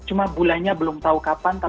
cuma bulannya belum tahu kapan